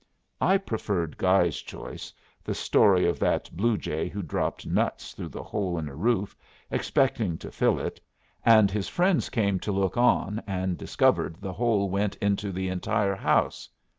I preferred Guy's choice the story of that blue jay who dropped nuts through the hole in a roof, expecting to fill it, and his friends came to look on and discovered the hole went into the entire house.